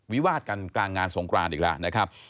วิวาดกันกลางงานสงครานอีกแล้วนะครับ